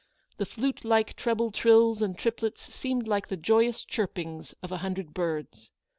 The flute like treble trills and triplets seemed like the joyous chirpings of a hundred birds.